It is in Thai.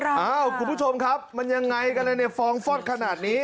อ้าวคุณผู้ชมครับมันยังไงกันเลยเนี่ยฟองฟอดขนาดนี้